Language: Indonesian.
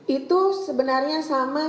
itu sebenarnya sama